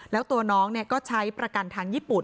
แล้วตัวน้องก็ใช้ประกันทางญี่ปุ่น